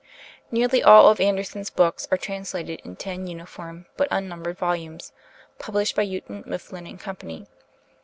Nearly all of Andersen's books are translated in ten uniform but unnumbered volumes, published by Houghton, Mifflin and Company.